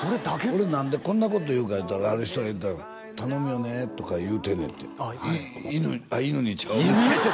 俺何でこんなこと言うかいうたらある人が言うたの「頼むよね」とか言うてんねんて犬あっ犬にちゃう犬！？